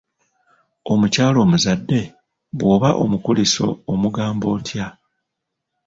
Omukyala omuzadde bw'oba omukulisa omugamba otya?